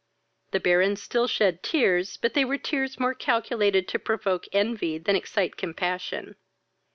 The Baron still shed tears, but they were tears more calculated to provoke envy than excite compassion.